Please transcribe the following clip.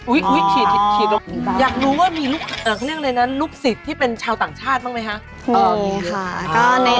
อุ้ยฉีดอยากรู้ว่ามีลูกศิษย์ที่เป็นชาวต่างชาติบ้างมั้ยคะ